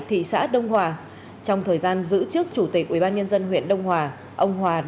giáo dục chính trị tư tưởng